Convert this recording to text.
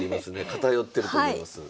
偏ってると思います。